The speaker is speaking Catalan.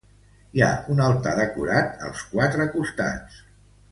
Hi ha un altar decorat als quatre costats.